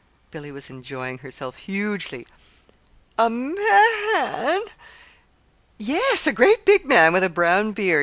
Billy was enjoying herself hugely. "A ma an!" "Yes; a great big man with a brown beard.